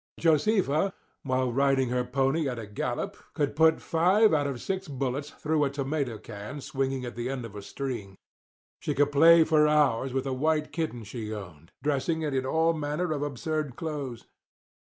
Josefa while riding her pony at a gallop could put five out of six bullets through a tomato can swinging at the end of a string. She could play for hours with a white kitten she owned, dressing it in all manner of absurd clothes.